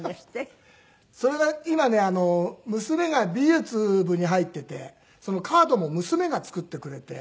それが今ね娘が美術部に入っていてカードも娘が作ってくれて。